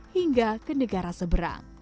hingga ke negara seberang